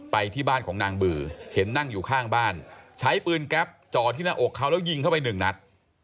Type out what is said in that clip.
ไปที่บ้านของนางบื่อเห็นนั่งอยู่ข้างบ้านใช้ปืนแก๊ปจ่อที่หน้าอกเขาแล้วยิงเข้าไปหนึ่งนัด